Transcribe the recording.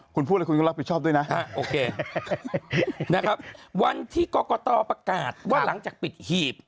คุณพูดอะไรคุณก็รับผิดชอบด้วยนะโอเคนะครับวันที่กรกตประกาศว่าหลังจากปิดหีบ